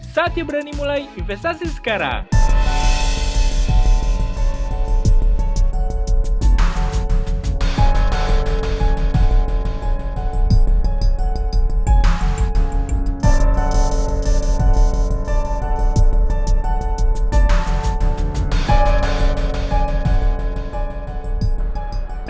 saatnya berani mulai investasi sekarang